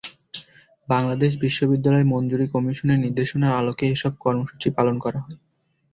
বাংলাদেশ বিশ্ববিদ্যালয় মঞ্জুরি কমিশনের নির্দেশনার আলোকে এসব কর্মসূচি পালন করা হয়।